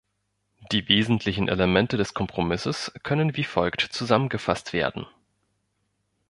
Die wesentlichen Elemente des Kompromisses können wie folgt zusammengefasst werden.